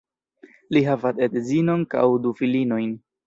Li havas edzinon kaj du filinojn.